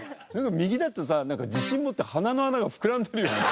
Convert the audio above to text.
右だとさなんか自信持って鼻の穴が膨らんでるよね。